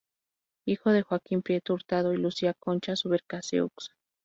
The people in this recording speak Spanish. Hijo de Joaquín Prieto Hurtado y Lucía Concha Subercaseaux.